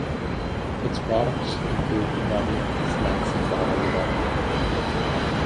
Its products include ramyun, snacks, and bottled water.